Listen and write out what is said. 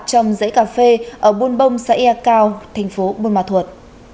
trong giấy cà phê ở buôn bông xã e cao tp buôn ma thuột